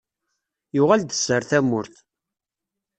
Yuɣel-d sser tamurt.